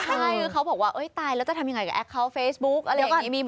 ใช่เขาบอกว่าตายแล้วจะทำยังไงกับแอคเคาน์เฟซบุ๊กอะไรอย่างนี้